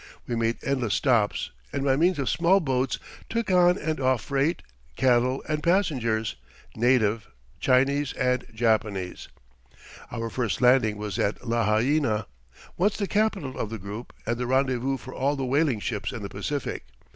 We made endless stops, and by means of small boats took on and off freight, cattle, and passengers native, Chinese and Japanese. Our first landing was at Lahaina, once the capital of the group and the rendezvous for all the whaling ships in the Pacific.